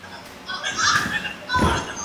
زه پرون د کتابتون کتابونه ولوستل!